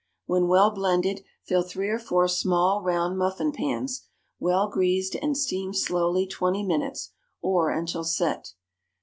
When well blended, fill three or four small round muffin pans, well greased, and steam slowly twenty minutes, or until set.